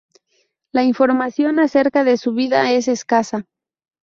La información acerca de su vida es escasa.